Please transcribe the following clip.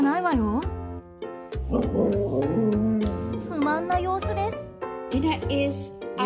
不満な様子です。